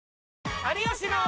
有吉の！